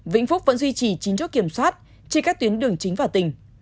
vĩnh phúc vẫn duy trì chính trúc kiểm soát trên các tuyến đường chính và tỉnh